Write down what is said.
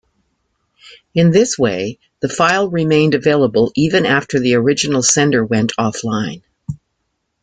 In this way, the file remained available even after the original sender went offline.